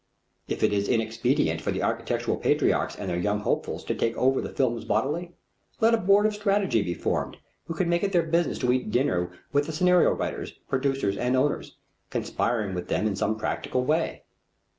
If it is inexpedient for the architectural patriarchs and their young hopefuls to take over the films bodily, let a board of strategy be formed who make it their business to eat dinner with the scenario writers, producers, and owners, conspiring with them in some practical way.